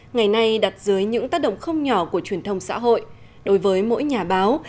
ngày nay đặt dưới những tác động không nhỏ của truyền thông xã hội đối với mỗi nhà báo